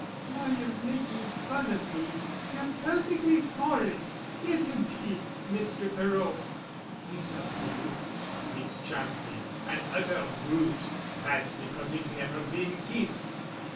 "Now you're making fun of me. You're perfectly horrid. Ithn't he, Mr. Perot?" "He's a brute, Miss Champney—an utter brute; that's because he's never been kissed."